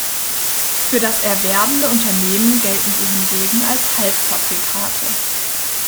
Für das erwerbende Unternehmen gelten sie hingegen als Halbfabrikate.